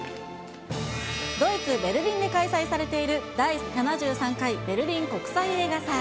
ドイツ・ベルリンで開催されている第７３回ベルリン国際映画祭。